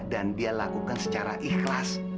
dan dia lakukan secara ikhlas